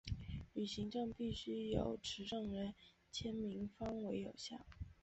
旅行证必须有持证人签名方为有效。